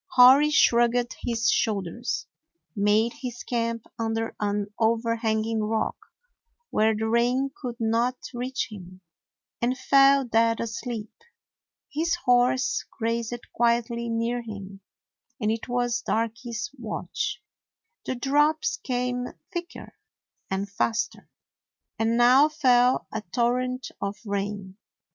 Hori shrugged his shoulders, made his camp under an overhanging rock, where the rain could not reach him, and fell dead asleep. His horse grazed quietly near him, and it was Darky's watch. The drops came thicker and faster, and now fell a torrent of rain.